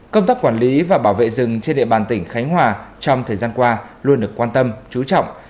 công tác quản lý và bảo vệ rừng trên địa bàn tỉnh khánh hòa trong thời gian qua luôn được quan tâm chú trọng